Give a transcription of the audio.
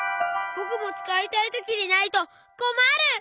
ぼくもつかいたいときにないとこまる！